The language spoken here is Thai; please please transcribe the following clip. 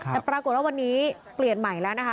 แต่ปรากฏว่าวันนี้เปลี่ยนใหม่แล้วนะคะ